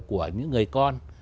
của những người con